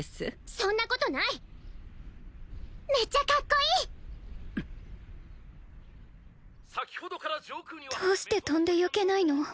そんなことないめちゃカッコいい先ほどから上空にはどうして飛んでよけないの？